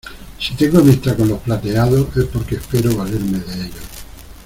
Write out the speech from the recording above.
si tengo amistad con los plateados, es porque espero valerme de ellos...